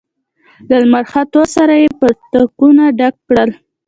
له لمر ختو سره يې پتکونه ډک کړل.